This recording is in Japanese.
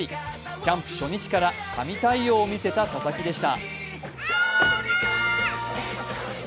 キャンプ初日から神対応を見せた佐々木でした。